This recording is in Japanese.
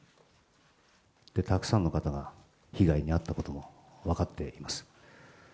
たくさんの方が被害に遭ったことも分かっています。